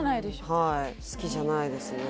はい好きじゃないですね